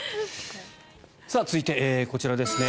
続いて、こちらですね。